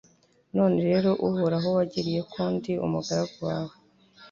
None rero Uhoraho wagiriye ko ndi umugaragu wawe